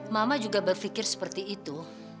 mama juga berpikir seperti itu